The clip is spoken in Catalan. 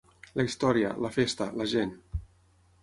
La història, la festa, la gent.